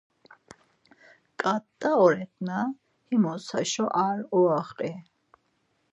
K̆ata oret na, himus haşo ar uoxi.